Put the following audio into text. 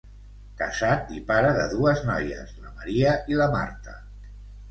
Casat i pare de dues noies, la Maria i la Marta.